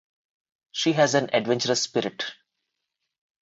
She has an adventurous spirit.